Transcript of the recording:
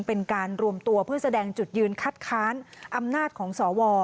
เป็นการรวมตัวเพื่อแสดงจุดยืนคัดค้านอำนาจของสว